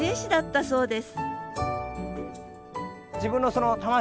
そうです。